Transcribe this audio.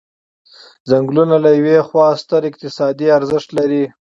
څنګلونه له یوې خوا ستر اقتصادي ارزښت لري.